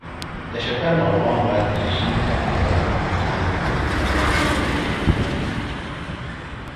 د شکر ناروغان باید رژیم تعقیبول مهم دی.